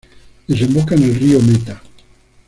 Desemboca en el río Meta.